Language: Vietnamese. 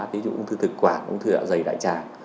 ví dụ ung thư thực quản ung thư dạ dày đại tràng